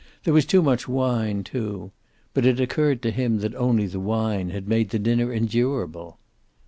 There was too much wine, too. But it occurred to him that only the wine had made the dinner endurable.